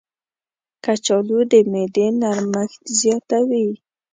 کچالو د معدې نرمښت زیاتوي.